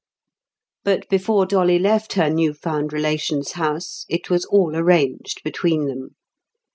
But before Dolly left her new found relation's house, it was all arranged between them.